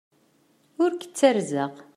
Ur k-ttarzeɣ.